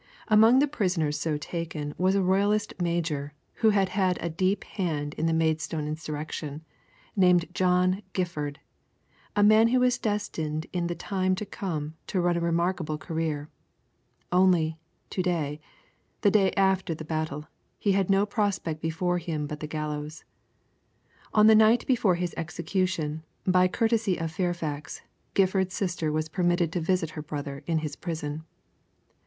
Among the prisoners so taken was a Royalist major who had had a deep hand in the Maidstone insurrection, named John Gifford, a man who was destined in the time to come to run a remarkable career. Only, to day, the day after the battle, he has no prospect before him but the gallows. On the night before his execution, by the courtesy of Fairfax, Gifford's sister was permitted to visit her brother in his prison.